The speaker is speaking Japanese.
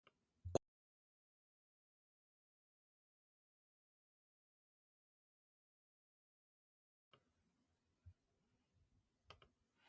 五条悟は俺が殺した…